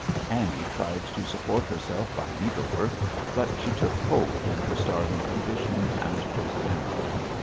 Annie tried to support herself by needlework, but she took cold in her starving condition and broke down.